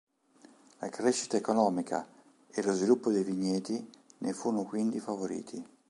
La crescita economica e lo sviluppo dei vigneti ne furono quindi favoriti.